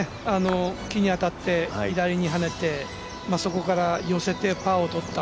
木に当たって、左に跳ねてそこから寄せて、パーを取った。